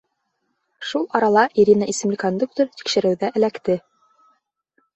Шул арала Ирина исемле кондуктор тикшереүҙә эләкте.